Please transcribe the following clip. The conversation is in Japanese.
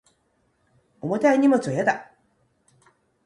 重たい荷物は嫌だ